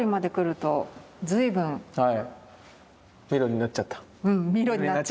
うんミロになっちゃった。